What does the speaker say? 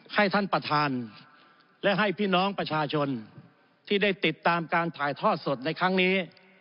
ให้ท่านประธานและให้พี่น้องประชาชนที่ได้ติดตามการถ่ายทอดสดในครั้งนี้